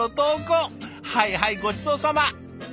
はいはいごちそうさま！